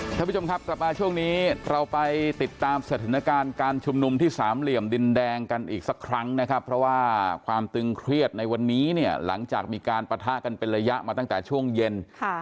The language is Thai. ท่านผู้ชมครับกลับมาช่วงนี้เราไปติดตามสถานการณ์การชุมนุมที่สามเหลี่ยมดินแดงกันอีกสักครั้งนะครับเพราะว่าความตึงเครียดในวันนี้เนี่ยหลังจากมีการปะทะกันเป็นระยะมาตั้งแต่ช่วงเย็น